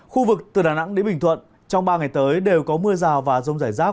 khu vực từ đà nẵng đến bình thuận trong ba ngày tới đều có mưa rào và rông rải rác